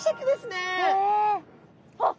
あっ！